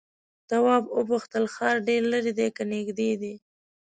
تواب وپوښتل ښار ډېر ليرې دی که نږدې دی؟